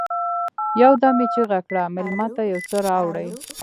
يودم يې چيغه کړه: مېلمه ته يو څه راوړئ!